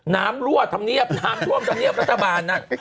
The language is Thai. น้ำรั่วทำเงียบน้ำช่วงทำเงียบน้องรัฐบาลน่ะ